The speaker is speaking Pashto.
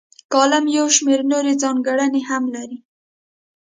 کالم یو شمیر نورې ځانګړنې هم لري.